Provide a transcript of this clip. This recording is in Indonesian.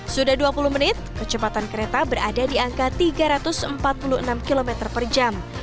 sudah dua puluh menit kecepatan kereta berada di angka tiga ratus empat puluh enam km per jam